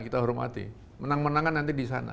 kita hormati menang menangkan nanti disana